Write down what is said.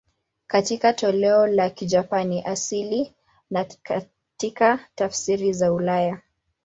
Katika toleo la Kijapani asili na katika tafsiri za ulaya.